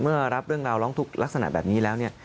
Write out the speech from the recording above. รับเรื่องราวร้องทุกข์ลักษณะแบบนี้แล้วเนี่ย